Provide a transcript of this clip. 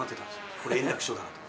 これ、円楽師匠だ。